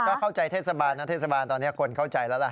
ก็เข้าใจเทศบาลนะเทศบาลตอนนี้คนเข้าใจแล้วล่ะ